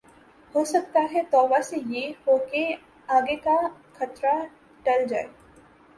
ہوسکتا ہے توبہ سے یہ ہو کہ آگے کا خطرہ ٹل جاۓ